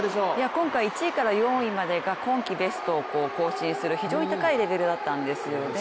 今回１位から４位までが今季ベストを更新する非常に高いレベルだったんですよね。